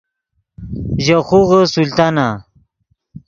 ژے خوغے سلطانہ